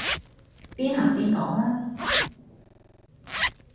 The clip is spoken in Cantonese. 邊行邊講吖